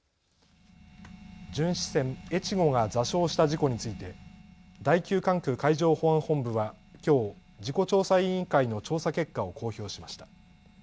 巡視船えちごが座礁した事故について第９管区海上保安本部はきょう事故調査委員会の調査結果を公表しました。